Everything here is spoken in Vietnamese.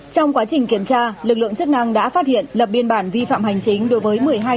trong quá trình kiểm tra lực lượng chức năng đã phát hiện lập biên bản vi phạm hành chính đối với một mươi hai trường hợp vi phạm